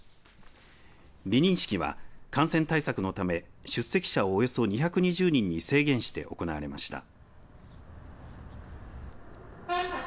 離任式は感染対策のため出席者をおよそ２２０人に制限して行われました。